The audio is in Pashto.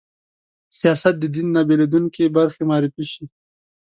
سیاست د دین نه بېلېدونکې برخه معرفي شي